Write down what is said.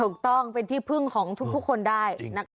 ถูกต้องเป็นที่พึ่งของทุกคนได้นะคะ